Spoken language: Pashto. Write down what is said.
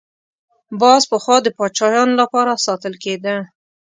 باز پخوا د پاچایانو لپاره ساتل کېده